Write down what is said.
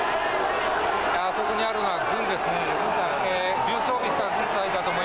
あそこにいるのは軍ですね。